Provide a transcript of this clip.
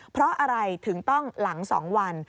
เพราะอะไรถึงต้องหลัง๒วัน